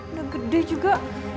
udah gede juga